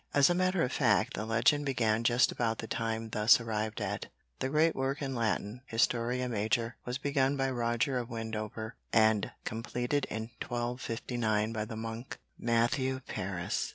As a matter of fact the legend began just about the time thus arrived at. The great work in Latin, "Historia Major," was begun by Roger of Wendover and completed in 1259 by the monk Matthew Paris.